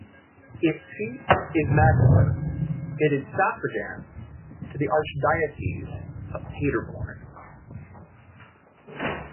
Its seat is Magdeburg; it is suffragan to the Archdiocese of Paderborn.